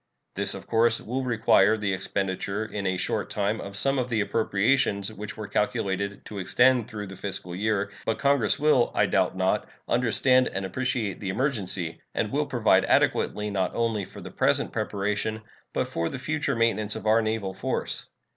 This, of course, will require the expenditure in a short time of some of the appropriations which were calculated to extend through the fiscal year, but Congress will, I doubt not, understand and appreciate the emergency, and will provide adequately not only for the present preparation, but for the future maintenance of our naval force.